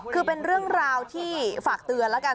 คือเป็นเรื่องราวที่ฝากเตือนแล้วกัน